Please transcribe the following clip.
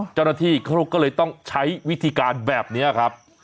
เจ้าหน้าที่เขาก็เลยต้องใช้วิธีการแบบนี้ครับ